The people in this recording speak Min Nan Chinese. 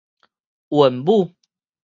韻母